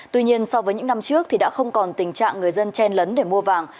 tuy nhiên so với những năm trước thì đã không còn tình trạng người dân chen lấn để mua vàng